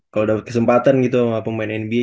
kalo dapet kesempatan gitu sama pemain nba